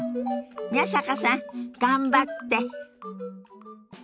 宮坂さん頑張って！